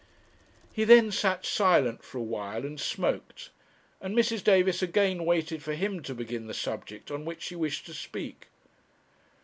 He then sat silent for a while and smoked, and Mrs. Davis again waited for him to begin the subject on which she wished to speak.